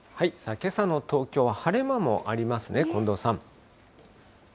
けさの東京、晴れ間もありますね、近藤さん。